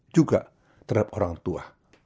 juga terhadap orang tua